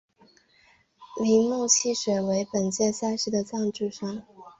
铃木汽车为本届赛事的赞助商。